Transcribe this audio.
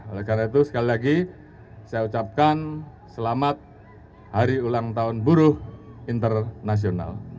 oleh karena itu sekali lagi saya ucapkan selamat hari ulang tahun buruh internasional